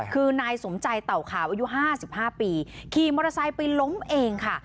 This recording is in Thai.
คือนายสมใจเต่าขาวอายุ๕๕ปีขี่มอเตอร์ไซค์ไปล้มเองค่ะ